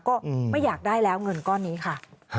ก็ไม่อยากได้แล้วเงินก้อนนี้ค่ะ